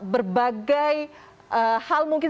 berbagai hal mungkin